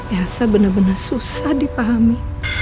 elsa bener bener susah dipahami